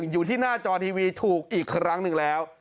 อยู่ที่หน้าจอทีวีถูกอีกครั้งหนึ่งแล้ว